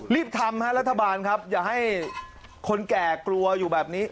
รีบทำฮะรัฐบาลครับอย่าให้คนแก่กลัวอยู่แบบนี้